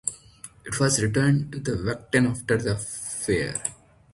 It was returned to the Vatican after the fair.